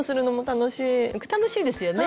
楽しいですよね。